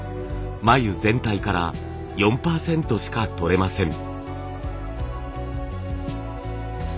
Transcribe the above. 繭全体から４％しか取れません。